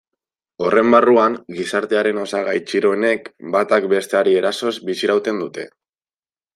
Horren barruan, gizartearen osagai txiroenek batak besteari erasoz bizirauten dute.